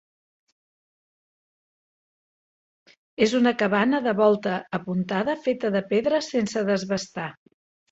És una cabana de volta apuntada feta de pedres sense desbastar.